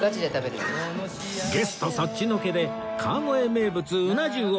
ゲストそっちのけで川越名物うな重を爆食い！